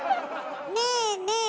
ねえねえ